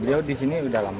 beliau disini udah lama